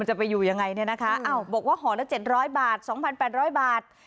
มันจะไปอยู่ยังไงเนี่ยนะคะอ้าวบอกว่าหอน่ะเจ็ดร้อยบาท